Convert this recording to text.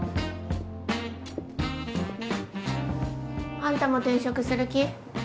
・あんたも転職する気？